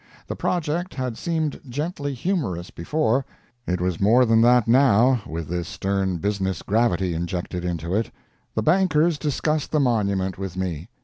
The project had seemed gently humorous before it was more than that now, with this stern business gravity injected into it. The bankers discussed the monument with me.